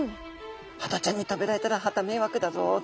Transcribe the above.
ハタちゃんに食べられたらはた迷惑だぞと。